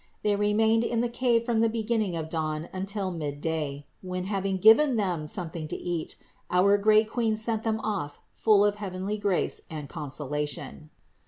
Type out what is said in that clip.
They remained in the cave from the beginning of dawn until mid day, when, having given them something to eat, our great Queen sent them off full of heavenly grace and consolation.